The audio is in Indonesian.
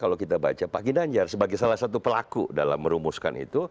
kalau kita baca pak ginanjar sebagai salah satu pelaku dalam merumuskan itu